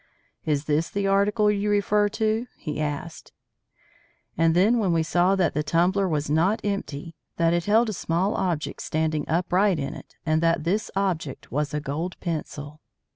"Is this the article you refer to?" he asked. And then we saw that the tumbler was not empty, that it held a small object standing upright in it, and that this object was a gold pencil.